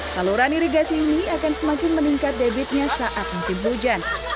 saluran irigasi ini akan semakin meningkat debitnya saat musim hujan